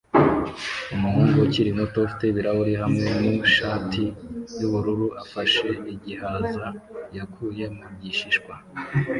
Umuhungu ukiri muto ufite ibirahuri hamwe nu shati yubururu afashe igihaza yakuye mu gishishwa